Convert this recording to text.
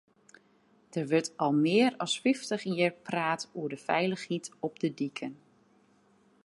Der wurdt al mear as fyftich jier praat oer de feilichheid op de diken.